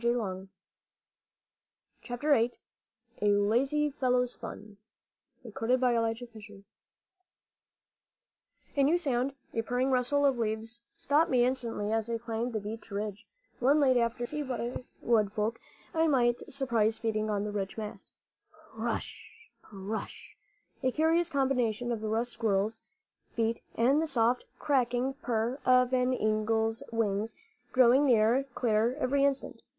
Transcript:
A LAZY FELLOW'S FUN A new sound, a purring rustle of leaves, stopped me instantly as I climbed the beech ridge, one late afternoon, to see what wood folk I might surprise feeding on the rich mast. Pr r r r ush, pr r r r ush! a curious combination of the rustling of squirrels' feet and the soft, crackling purr of an eagle's wings, growing nearer, clearer every instant.